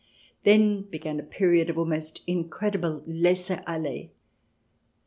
Then began a period of almost incredible laisser aller.